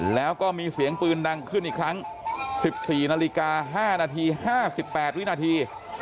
แล้วก็มีเสียงปืนดังขึ้นอีกครั้งสิบสี่นาฬิกาห้านาทีห้าสิบแปดวินาที